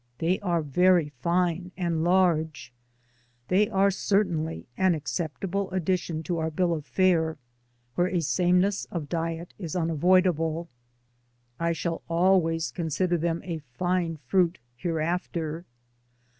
They are very fine and large; they are certainly an acceptable addition to our bill of fare, where a sameness of diet is un avoidable. I shall always consider them a fine fruit hereafter.